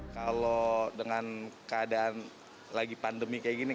kalau dengan keadaan lagi pandemi kayak gini